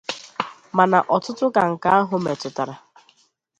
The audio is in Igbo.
Mana ọtụtụ ka nke ahụ metụtara.